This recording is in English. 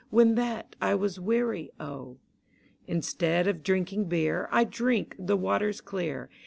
When that I was wear>', O. Instead of drinking Beer, I drink the waters clear.